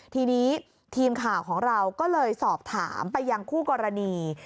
ทีนี้ทีมข่าวของเราก็เลยสอบถามไปยังคู่กรณี